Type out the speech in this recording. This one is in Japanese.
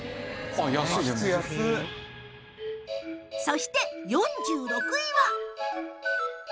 そして４６位は